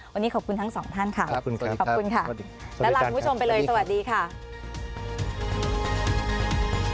วันนี้ขอบคุณทั้งสองท่านค่ะ